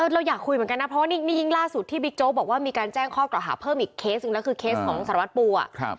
เราอยากคุยเหมือนกันนะเพราะว่านี่ยิ่งล่าสุดที่บิ๊กโจ๊กบอกว่ามีการแจ้งข้อกล่าวหาเพิ่มอีกเคสหนึ่งแล้วคือเคสของสารวัตรปู